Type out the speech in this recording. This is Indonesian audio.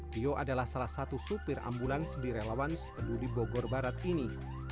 tio adalah salah satu supir ambulans di relawan sepeduli bogor barat ini